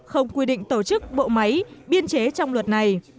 không quy định tổ chức bộ máy biên chế trong luật này